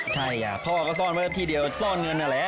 ใช่เพราะว่าก็ซ่อนไว้ที่เดียวซ่อนเงินนั่นแหละ